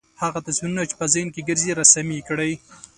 هغه تصویرونه چې په ذهن کې ګرځي رسامي کړئ.